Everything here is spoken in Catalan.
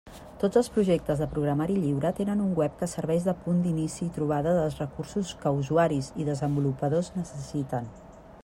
Tots els projectes de programari lliure tenen un web que serveix de punt d'inici i trobada dels recursos que usuaris i desenvolupadors necessiten.